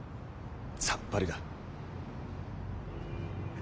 さっぱりだ。